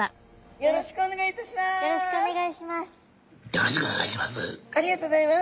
よろしくお願いします。